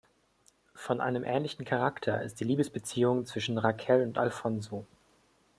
Von einem ähnlichen Charakter ist die Liebesbeziehung zwischen Raquel und Alfonso.